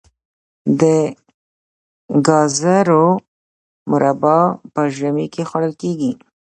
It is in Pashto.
د ګازرو مربا په ژمي کې خوړل کیږي.